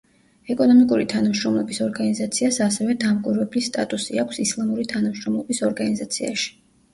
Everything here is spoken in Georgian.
ეკონომიკური თანამშრომლობის ორგანიზაციას ასევე დამკვირვებლის სტატუსი აქვს ისლამური თანამშრომლობის ორგანიზაციაში.